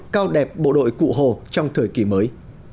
cao đẹp bộ đội cụ hồ trong thời kỳ mới